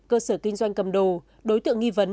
cơ sở kinh doanh cầm đồ đối tượng nghi vấn